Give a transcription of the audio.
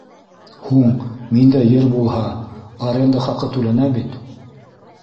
— Һуң миндә ер булһа, аренда хаҡы түләнә бит.